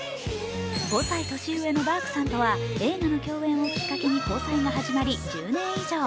５歳年上のダークさんとは映画の共演をきっかけに交際が始まり１０年以上。